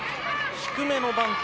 低めのバント。